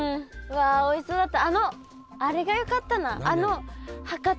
わあおいしそうだった。